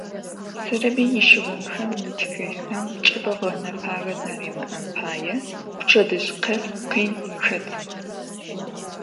Serebıy yişığınxem, yitxılhxem çç'ıp'e ğenefage zeryamı'em paê pçedıj khes khin xet.